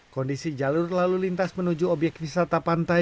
kondisi jalur lalu lintas menuju obyek wisata pantai